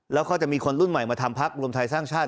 แล้วก็จะมีคนรุ่นใหม่มาทำพักรวมไทยสร้างชาติ